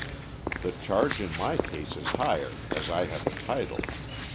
The charge in my case is higher as I have a title.